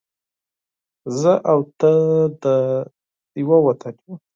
زه او ته دې ېو وطن ېو